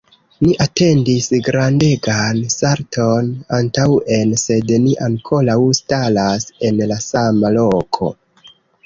Ni atendis grandegan salton antaŭen, sed ni ankoraŭ staras en la sama loko.